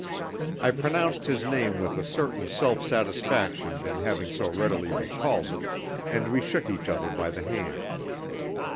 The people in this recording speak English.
I pronounced his name with a certain self satisfaction in having so readily recalled it, and we shook each other by the hand.